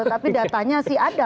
tapi datanya sih ada